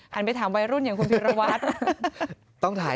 ไปถามวัยรุ่นอย่างคุณพีรวัตร